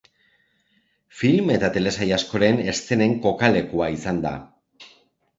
Film eta telesail askoren eszenen kokalekua izan da.